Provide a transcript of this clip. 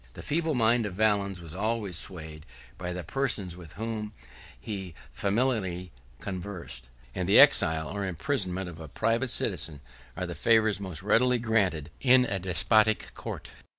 67 The feeble mind of Valens was always swayed by the persons with whom he familiarly conversed; and the exile or imprisonment of a private citizen are the favors the most readily granted in a despotic court.